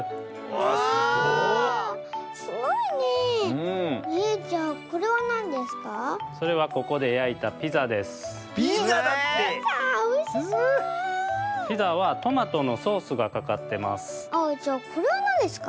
あっじゃあこれはなんですか？